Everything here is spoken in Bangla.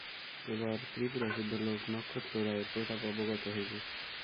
এবার ত্রিপুরাসুদ্ধ লোক নক্ষত্ররায়ের প্রতাপ অবগত হইবে।